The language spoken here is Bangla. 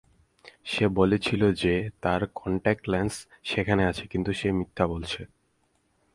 সে বলেছিল যে তার কন্ট্যাক্ট লেন্স সেখানে আছে কিন্তু সে মিথ্যা বলছে।